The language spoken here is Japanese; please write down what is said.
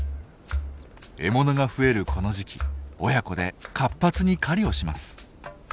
獲物が増えるこの時期親子で活発に狩りをします。